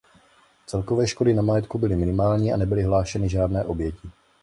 Celkové škody na majetku byly minimální a nebyly hlášeny žádné oběti.